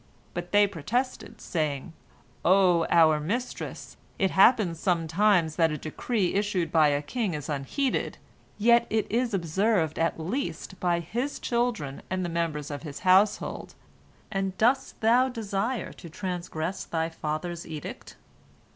But they protested, saying, "O our mistress, it happens sometimes that a decree issued by a king is unheeded, yet it is observed at least by his children and the members of his household, and dost thou desire to transgress thy father's edict?"